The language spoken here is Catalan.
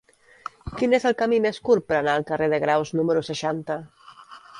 Quin és el camí més curt per anar al carrer de Graus número seixanta?